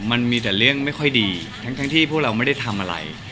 มันมีแต่เรื่องไม่ค่อยดีทั้งที่พวกเราไม่ได้ทำอะไร